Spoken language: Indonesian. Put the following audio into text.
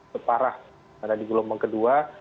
separah ada di gelombang kedua